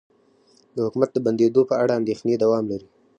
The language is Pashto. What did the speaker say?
د حکومت د بندیدو په اړه اندیښنې دوام لري